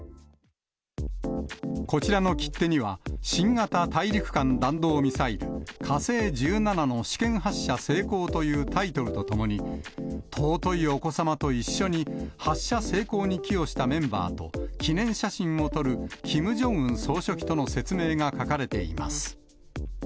こちらの切手には、新型大陸間弾道ミサイル火星１７の試験発射成功というタイトルとともに、尊いお子様と一緒に、発射成功に寄与したメンバーと記念写真を撮るキム・ジョンウン総書記との説明が書かれています。